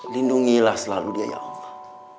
lindungilah selalu dia ya allah